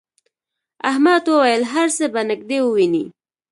احمد وویل هر څه به نږدې ووینې.